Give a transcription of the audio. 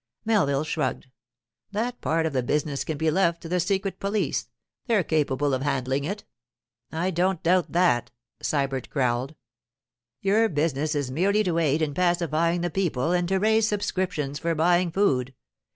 Melville shrugged. 'That part of the business can be left to the secret police; they're capable of handling it.' 'I don't doubt that,' Sybert growled. 'Your business is merely to aid in pacifying the people and to raise subscriptions for buying food.